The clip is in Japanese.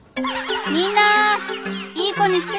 みんないい子にしててね。